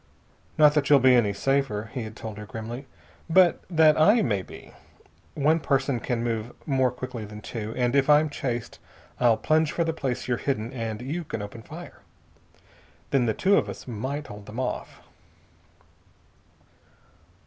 "Not that you'll be any safer," he had told her grimly, "but that I may be. One person can move more quickly than two. And if I'm chased I'll plunge for the place you're hidden, and you can open fire. Then the two of us might hold them off."